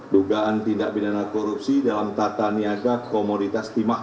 dugaan tindak pidana korupsi dalam tata niaga komoditas timah